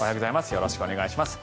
よろしくお願いします。